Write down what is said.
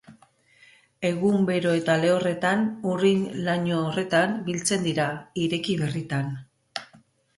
Egun bero eta lehorretan urrin-laino horretan biltzen dira, ireki berritan.